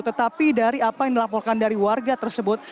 tetapi dari apa yang dilaporkan dari warga tersebut